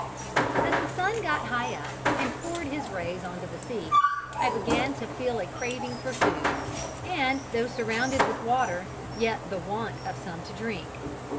As the sun got high up, and poured his rays on to the sea, I began to feel a craving for food, and, though surrounded with water, yet the want of some to drink.